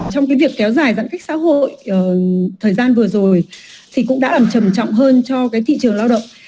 trong cái việc kéo dài giãn cách xã hội thời gian vừa rồi thì cũng đã làm trầm trọng hơn cho cái thị trường lao động